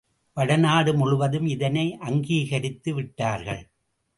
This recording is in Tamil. வட நாடு முழுவதும் இதனை அங்கீகரித்துவிட்டார்கள்.